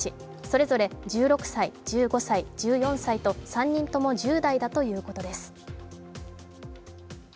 それぞれ１６歳、１５歳、１４歳と３人とも１０代だということです。